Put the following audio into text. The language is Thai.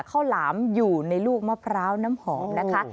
หลามอยู่ในลูกมะพร้าวน้ำหอมนะคะ